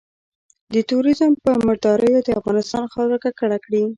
د ترورېزم په مرداریو د افغانستان خاوره ککړه کړي.